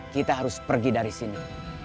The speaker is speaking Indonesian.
kita harus pergi dari sini